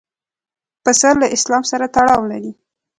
پسه له اسلام سره تړاو لري.